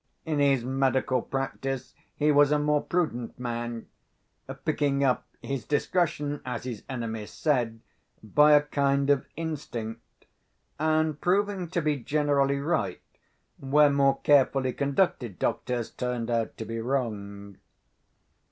In his medical practice he was a more prudent man; picking up his discretion (as his enemies said) by a kind of instinct, and proving to be generally right where more carefully conducted doctors turned out to be wrong.